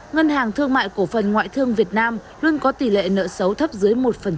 ngân hàng thương mại cổ phần ngoại thương việt nam luôn có tỷ lệ nợ xấu thấp dưới một